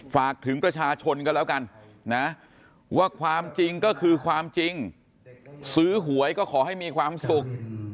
ฝากถึงประชาชนกันแล้วกันนะว่าความจริงก็คือความจริงซื้อหวยก็ขอให้มีความสุข